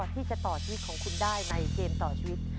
ที่จะต่อชีวิตของคุณได้ในเกมต่อชีวิต